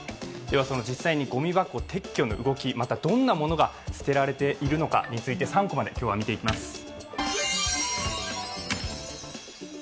実際にごみ箱撤去の動き、またどんなものが捨てられているかについて「３コマ」で今日は見ていきます。